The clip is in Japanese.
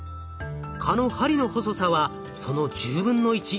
蚊の針の細さはその１０分の１。